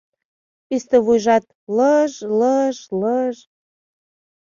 Писте вуйжат - лыж-лыж-лыж